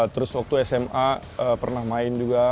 terus waktu sma pernah main juga